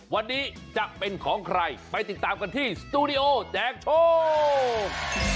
วันนี้จะเป็นของใครไปติดตามกันที่สตูดิโอแจกโชค